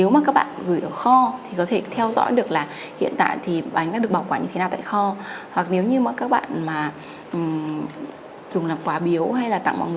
một món quà như thế này để tặng